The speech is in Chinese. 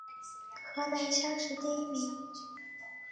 河南乡试第一名。